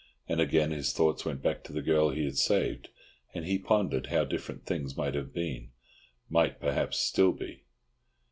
And again his thoughts went back to the girl he had saved, and he pondered how different things might have been—might, perhaps, still be.